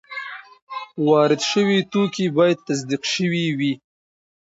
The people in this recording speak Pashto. وارد شوي توکي باید تصدیق شوي وي.